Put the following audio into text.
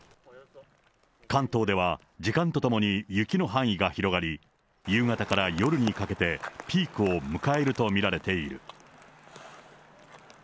関東では時間とともに雪の範囲が広がり、夕方から夜にかけて、ピークを迎えると見られている。